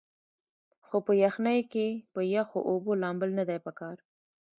خو پۀ يخنۍ کښې پۀ يخو اوبو لامبل نۀ دي پکار